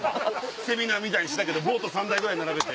セミナーみたいにしてたけどボート３台ぐらい並べて。